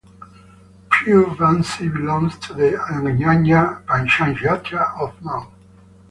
Pure Bansi belongs to the nyaya panchayat of Mau.